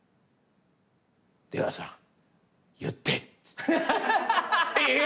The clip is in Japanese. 「出川さん言って」え！？